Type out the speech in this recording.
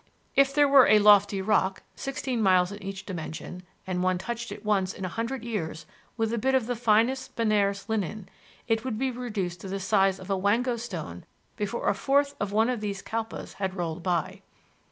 "If there were a lofty rock, sixteen miles in each dimension, and one touched it once in a hundred years with a bit of the finest Benares linen, it would be reduced to the size of a wango stone before a fourth of one of these Kalpas had rolled by."